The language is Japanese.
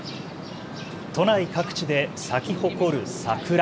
都内各地で咲き誇る桜。